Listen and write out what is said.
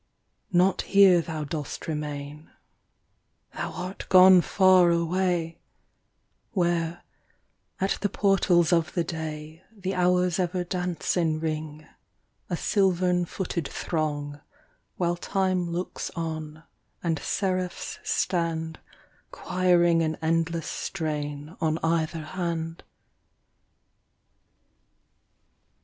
Not here thou dost remain, Thou art gone far away, 75 .1 Dirge. Where, at the portals of the day, The hours ever dance in ring, a silvern footed throng, While Time looks on, And seraphs stand Choiring an endless strain On either hand.